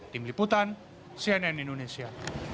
tim liputan cnn indonesia